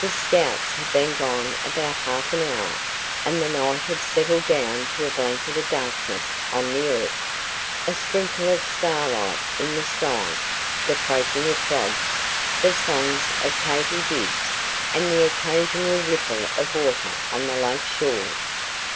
The scouts had been gone about half an hour and the night had settled down to a blanket of darkness on the earth, a sprinkle of starlight in the sky, the croaking of frogs, the songs of katydids and the occasional ripple of water on the lake shore.